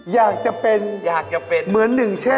อยากจะเป็นเหมือนหนึ่งเช่น